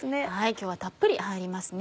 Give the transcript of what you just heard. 今日はたっぷり入りますね。